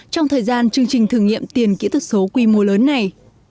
trong thời gian chương trình thử nghiệm tiền kỹ thuật số quy mô lớn này